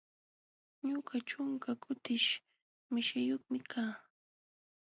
Ñuqa ćhunka tukish mishiyuqmi kaa.